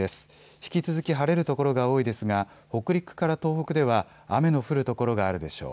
引き続き晴れる所が多いですが、北陸から東北では雨の降る所があるでしょう。